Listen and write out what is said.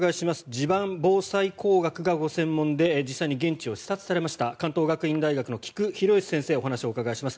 地盤防災工学がご専門で実際に現地を視察されました関東学院大学の規矩大義先生にお話を伺います。